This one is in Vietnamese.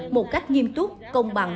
một cách nghiêm túc công bằng